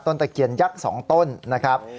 ต้นตะเกียร์ยักษ์๒ต้นนะครับ